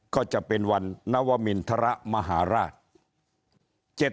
ก็จะเป็นวันนวมินทรมหาราช